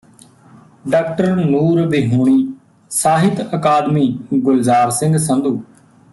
ਡਾ ਨੂਰ ਵਿਹੂਣੀ ਸਾਹਿਤ ਅਕਾਦਮੀ ਗੁਲਜ਼ਾਰ ਸਿੰਘ ਸੰਧੂ